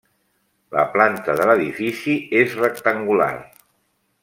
La planta de l'edifici és rectangular.